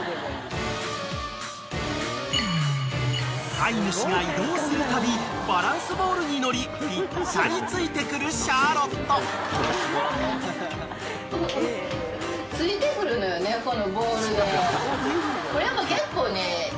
［飼い主が移動するたびバランスボールに乗りぴったりついてくるシャーロット］こら！